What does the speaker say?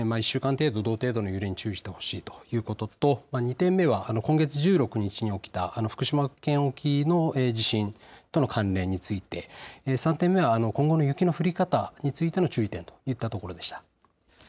１週間程度、同程度の揺れに注意してほしいということと２点目は今月１６日に起きた福島県沖の地震との関連について３点目は今後の雪の降り方についての注意点といったところでした。